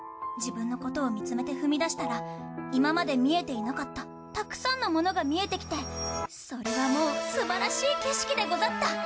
自分のことを見つめて踏み出したら今まで見えていなかったたくさんのものが見えてきてそれはもうすばらしい景色でござった。